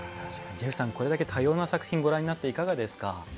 ジェフさん、これだけ多様な作品ご覧になっていかがですか？